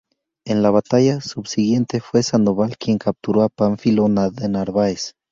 En la batalla subsiguiente, fue Sandoval quien capturó a Pánfilo de Narváez.